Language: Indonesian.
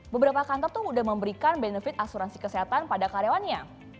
beberapa kantor tuh sudah memberikan benefit asuransi kesehatan pada karyawannya